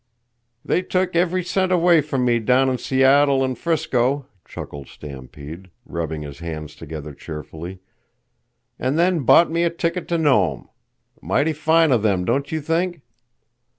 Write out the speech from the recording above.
"They took every cent away from me down in Seattle an' Frisco," chuckled Stampede, rubbing his hands together cheerfully, "an' then bought me a ticket to Nome. Mighty fine of them, don't you think?